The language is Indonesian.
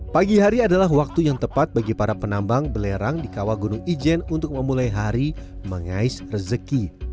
pagi hari adalah waktu yang tepat bagi para penambang belerang di kawah gunung ijen untuk memulai hari mengais rezeki